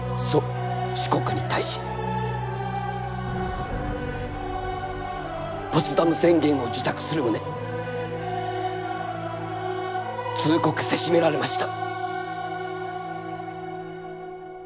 四国に対しポツダム宣言を受諾する旨通告せしめられました。